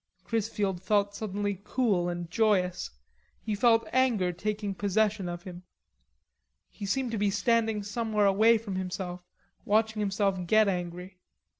Chrisfield felt suddenly cool and joyous. He felt anger taking possession of him. He seemed to be standing somewhere away from himself watching himself get angry.